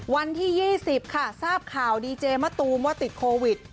วันที่๒๐ค่ะทราบข่าวดีเจมะตูมว่าติดโควิด